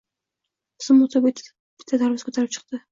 Zum oʻtmay bitta tarvuz koʻtarib chiqdi